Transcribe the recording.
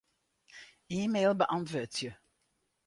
E-mail beäntwurdzje.